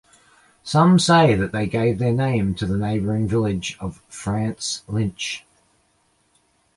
Some say that they gave their name to the neighbouring village of France Lynch.